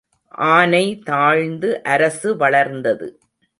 ஆனை தாழ்ந்து அரசு வளர்ந்தது.